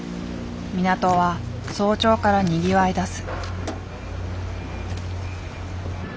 港は早朝からにぎわいだす。